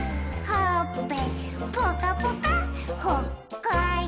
「ほっぺぽかぽかほっこりぽっ」